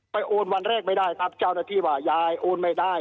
โอนวันแรกไม่ได้ครับเจ้าหน้าที่ว่ายายโอนไม่ได้